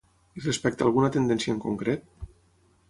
I respecte a alguna tendència en concret?